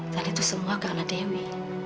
dan itu semua karena dewi